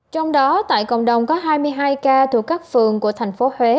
trong đó tại cộng đồng có hai mươi hai ca thuộc các phường của thành phố huế